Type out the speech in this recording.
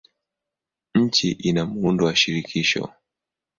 Nchi ina muundo wa shirikisho.